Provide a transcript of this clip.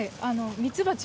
ミツバチ！